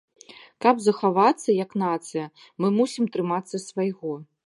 Каб захавацца як нацыя, мы мусім трымацца свайго.